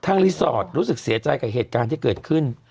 รีสอร์ทรู้สึกเสียใจกับเหตุการณ์ที่เกิดขึ้น